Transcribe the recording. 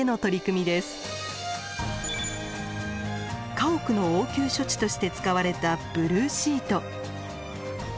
家屋の応急処置として使われたブルーシート。